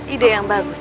ide yang bagus